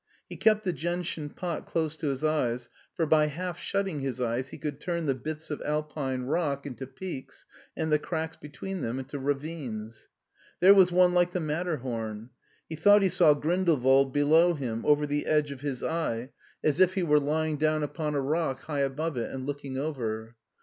He kept the gentian pot close to his eyes, for by half shutting his eyes he could turn the bits of Alpine rock into peaks and the cracks between them into ravines. There was one like the Matterhom. He thought he saw Grindel wald below him, over the edge of his eye, as if he were 1 392 MARTIN SCHtJLER lying down upon a rock high above it and looking over.